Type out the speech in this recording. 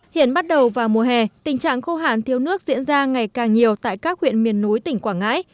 hiện bắt đầu vào mùa hè tình trạng khô hàn thiếu nước diễn ra ngày càng nhiều tại các huyện miền núi tỉnh quảng ngãi